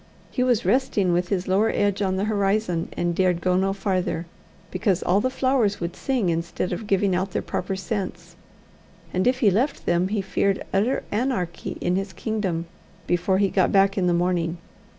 He was resting with his lower edge on the horizon, and dared go no farther, because all the flowers would sing instead of giving out their proper scents, and if he left them, he feared utter anarchy in his kingdom before he got back in the morning.